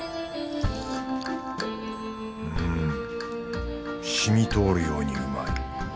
うんしみとおるようにうまい。